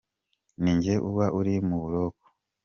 Ni jye uba uri mu buroko !